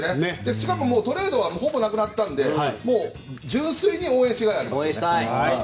しかもトレードはほぼなくなったので純粋に応援してください。